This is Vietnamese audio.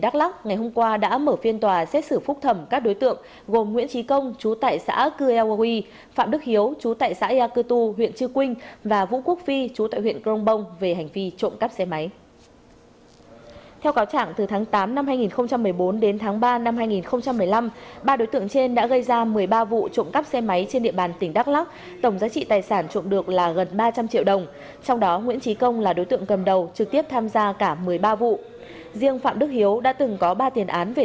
các bạn hãy đăng ký kênh để ủng hộ kênh của chúng mình nhé